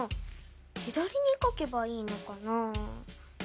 左に書けばいいのかな？